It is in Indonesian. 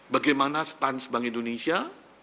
bagaimana stans bank indonesia